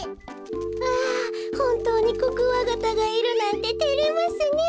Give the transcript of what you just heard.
ああほんとうにコクワガタがいるなんててれますねえ。